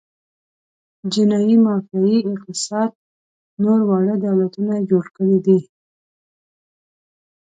جنايي مافیايي اقتصاد نور واړه دولتونه جوړ کړي دي.